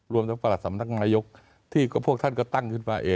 รวมทั้งประหลัดสำนักนายกที่พวกท่านก็ตั้งขึ้นมาเอง